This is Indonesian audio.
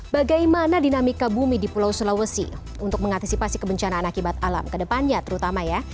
bagaimana dinamika bumi di pulau sulawesi untuk mengantisipasi kebencanaan akibat alam ke depannya terutama ya